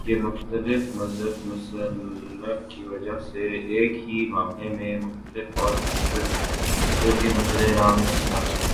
کہ مختلف مذہبی مسالک کی وجہ سے ایک ہی معاملے میں مختلف اور متضاد فتوے منظرِ عام پر آتے ہیں